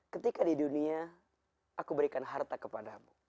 ketika di dunia aku berikan harta kepadamu